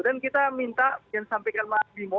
dan kita minta yang disampaikan mbak bimo